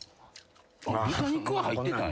豚肉入ってたんや。